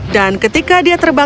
dan ketika dia terhubung